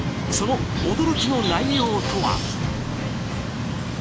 その驚きの内容とは。